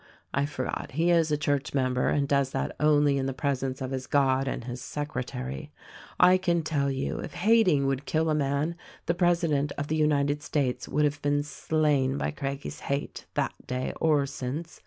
I forgot, he is a church member and does that only in the presence of his God and his secretary. I can tell you. if hating would kill a man the president of the United States would have been slain by Craggie's hate, that day or since.